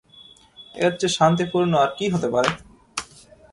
এর চেয়ে শান্তিপূর্ণ আর কী হতে পারে?